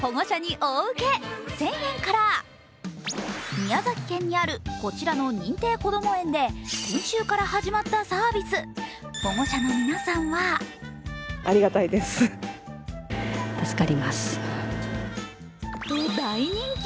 宮崎県にあるこちらの認定こども園で先週から始まったサービス保護者の皆さんはと大人気。